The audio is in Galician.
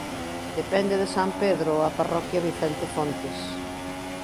Depende de San Pedro a parroquia Vicente Fontes.